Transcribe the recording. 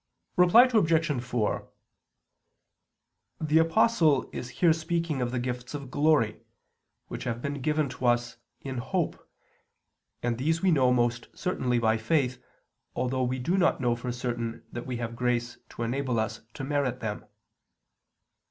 Reply Obj. 4: The Apostle is here speaking of the gifts of glory, which have been given to us in hope, and these we know most certainly by faith, although we do not know for certain that we have grace to enable us to merit them.